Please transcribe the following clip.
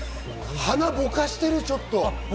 鼻、ぼかしてる、ちょっと。